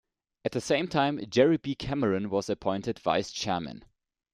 At the same time, Gerry B. Cameron was appointed vice chairman.